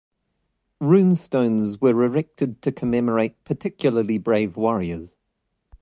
Rune stones were erected to commemorate particularly brave warriors.